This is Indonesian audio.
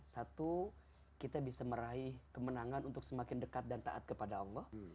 satu kita bisa meraih kemenangan untuk semakin dekat dan taat kepada allah